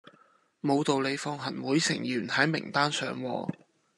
無道理放行會成員喺名單上喎